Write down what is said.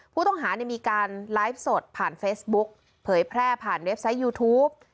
ผู้ต้องหามีการไลฟ์สดผ่านเฟซบุ๊กเผยแพร่ผ่านเว็บไซต์ยูทูป